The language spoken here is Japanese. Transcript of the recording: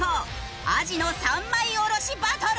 アジの３枚おろしバトル！